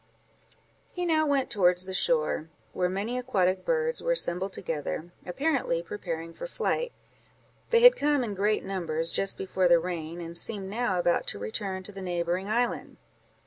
He now went towards the shore, where many aquatic birds were assembled together, apparently preparing for flight: they had come, in great numbers, just before the rain, and seemed now about to return to the neighbouring island.